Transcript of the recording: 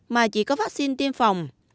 mà chỉ có vaccine tiêm phòng